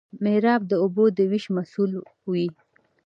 میرآب د اوبو د ویش مسوول وي.